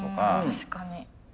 確かに。